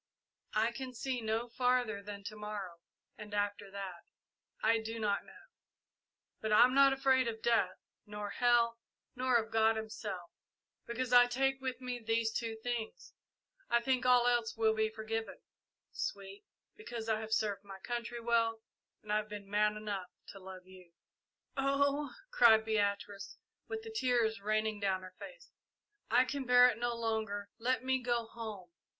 I can see no farther than to morrow, and after that I do not know. But I'm not afraid of death, nor hell, nor of God Himself, because I take with me these two things. I think all else will be forgiven, Sweet, because I have served my country well and I have been man enough to love you." "Oh," cried Beatrice, with the tears raining down her face, "I can bear it no longer let me go home!"